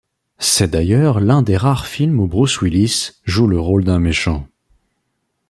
C'est d'ailleurs l'un des rares films où Bruce Willis joue le rôle d'un méchant.